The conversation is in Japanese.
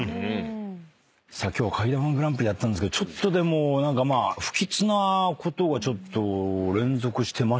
さあ今日は怪談−１グランプリやったんですけどちょっとでも何か不吉なことが連続してましたね。